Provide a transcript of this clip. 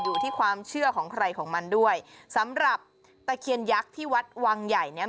อยู่ที่ความเชื่อของใครของมันด้วยสำหรับตะเคียนยักษ์ที่วัดวังใหญ่เนี่ย